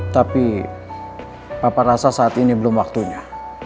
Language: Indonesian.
tapi papa rasa saat ini belum waktunya